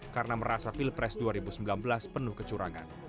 karena merasa pilpres dua ribu sembilan belas penuh kecurangan